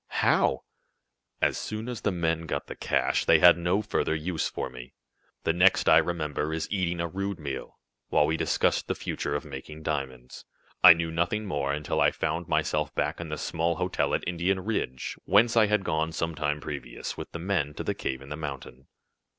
"How?" "As soon as the men got the cash, they had no further use for me. The next I remember is eating a rude meal, while we discussed the future of making diamonds. I knew nothing more until I found myself back in the small hotel at Indian Ridge, whence I had gone some time previous, with the men, to the cave in the mountain."